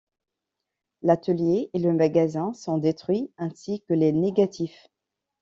L'atelier et le magasin sont détruits ainsi que les négatifs.